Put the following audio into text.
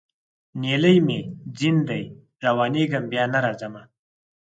نیلی مي ځین دی روانېږمه بیا نه راځمه